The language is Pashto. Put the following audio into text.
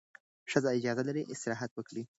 ښځه اجازه لري استراحت وکړي.